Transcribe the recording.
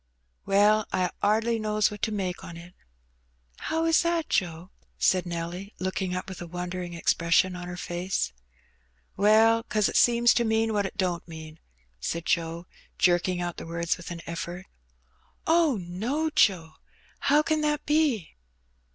"Well, I 'ardly knows what to make on it." "How is that, Joe?" said Nelly, looking up with a won dering expression on her face. "Well, 'cause it seems to mean what it don't mean," said Joe, jerking out the words with an eflfort. "Oh, no, Joe; how can that be?"